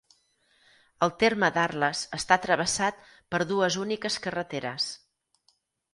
El terme d'Arles està travessat per dues úniques carreteres.